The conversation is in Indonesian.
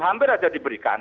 hampir aja diberikan